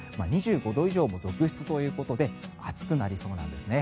２５度以上も続出ということで暑くなりそうなんです。